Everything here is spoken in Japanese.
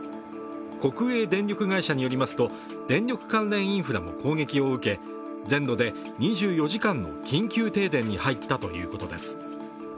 国営電力会社によりますと電力関連インフラも攻撃を受け全土で２４時間の緊急停電に入ったということです。